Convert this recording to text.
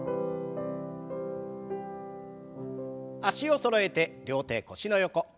脚をそろえて両手腰の横。